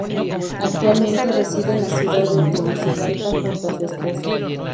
Actualmente reside en la ciudad de Tegucigalpa junto a su esposo.